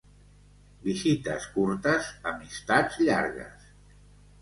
Visites curtes, amistats llargues.